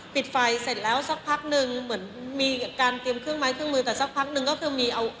ปิดไฟเสร็จแล้วสักพักนึงเหมือนมีการเตรียมเครื่องไม้เครื่องมือ